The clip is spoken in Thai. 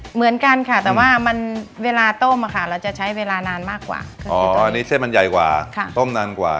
เหมือนกันค่ะแต่ว่าเวลาต้มเราจะใช้เวลานานมากกว่า